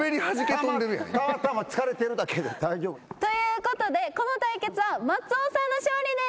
たまたま疲れてるだけで大丈夫。ということでこの対決は松尾さんの勝利です。